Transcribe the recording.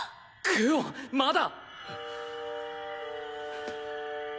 クオンまだ。